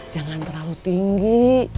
jangan terlalu tinggi